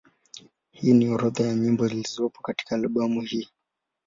Hii ni orodha ya nyimbo zilizopo katika albamu hii.